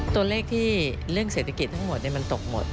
ตัวเลขที่เรื่องเศรษฐกิจทั้งหมดมันตกหมด